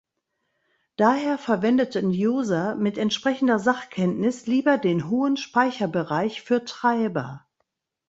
Daher verwendeten User mit entsprechender Sachkenntnis lieber den hohen Speicherbereich für Treiber.